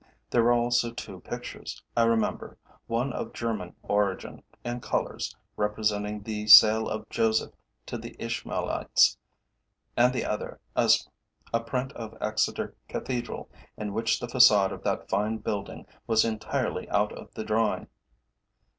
There were also two pictures, I remember; one, of German origin, in colours, represented the sale of Joseph to the Ishmaelites, and the other, a print of Exeter Cathedral, in which the façade of that fine building was entirely out of the drawing.